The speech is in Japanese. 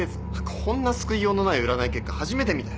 こんな救いようのない占い結果初めて見たよ。